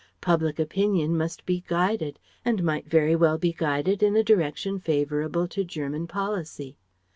Public Opinion must be guided, and might very well be guided in a direction favourable to German policy.